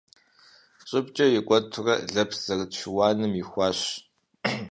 Щӏыбкӏэ икӏуэтурэ лэпс зэрыт шыуаным ихуащ.